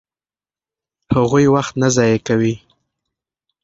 هغوی وخت نه ضایع کوي.